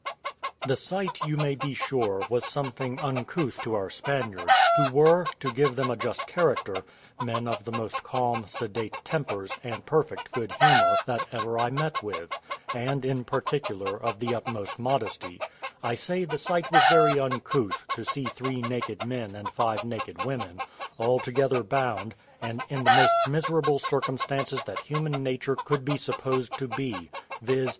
The sight, you may be sure, was something uncouth to our Spaniards, who were, to give them a just character, men of the most calm, sedate tempers, and perfect good humour, that ever I met with: and, in particular, of the utmost modesty: I say, the sight was very uncouth, to see three naked men and five naked women, all together bound, and in the most miserable circumstances that human nature could be supposed to be, viz.